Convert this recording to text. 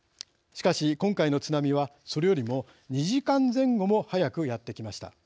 しかし、今回の津波はそれよりも２時間前後も早くやってきました。